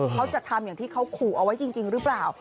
เขาจะทำอย่างที่เขาขู่เอาไว้จริงหรือเปล่า